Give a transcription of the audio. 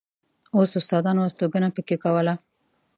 اوس استادانو استوګنه په کې کوله.